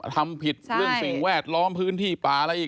ทำผิดเรื่องสิ่งแวดล้อมพื้นที่ป่าอะไรอีก